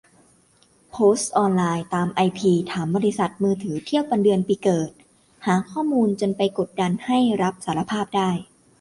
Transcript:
โพสต์ออนไลน์ ตามไอพี ถามบริษัทมือถือเทียบวันเดือนปีเกิด หาข้อมูลจนไปกดดันให้รับสารภาพได้